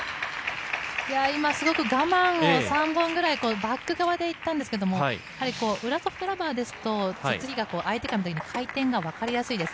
今、すごく我慢を３本ぐらいバック側で行ったんですけれども裏ソフトラバーで返球すると相手から回転がわかりやすいです。